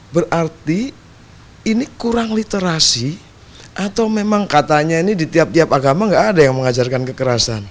berarti ini kurang literasi atau memang katanya ini di tiap tiap agama nggak ada yang mengajarkan kekerasan